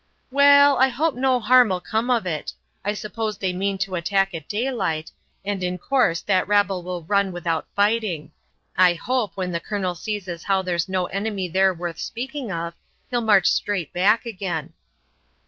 "Waal, I hope no harm 'ill come of it. I suppose they mean to attack at daylight, and in course that rabble will run without fighting. I hope, when the colonel sees as how thar's no enemy ther worth speaking of, he'll march straight back again."